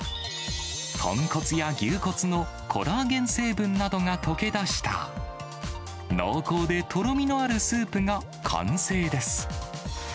豚骨や牛骨のコラーゲン成分などが溶け出した濃厚でとろみのあるスープが完成です。